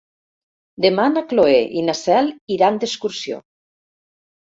Demà na Cloè i na Cel iran d'excursió.